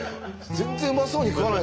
全然うまそうに食わない。